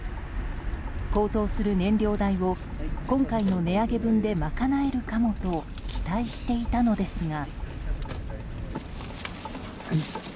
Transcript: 高騰する燃料代を今回の値上げ分で賄えるかもと期待していたのですが。